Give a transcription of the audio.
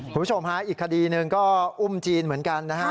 คุณผู้ชมฮะอีกคดีหนึ่งก็อุ้มจีนเหมือนกันนะฮะ